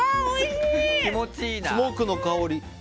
スモークの香り？